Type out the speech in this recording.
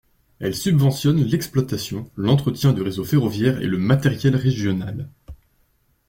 Elles subventionnent l’exploitation, l’entretien du réseau ferroviaire et le matériel régional.